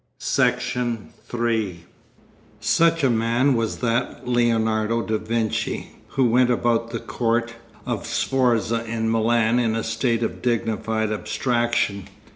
Section 3 Such a man was that Leonardo da Vinci, who went about the court of Sforza in Milan in a state of dignified abstraction.